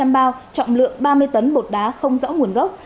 một trăm linh bao trọng lượng ba mươi tấn bột đá không rõ nguồn gốc